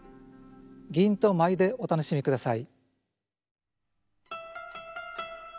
吟と舞でお楽しみください。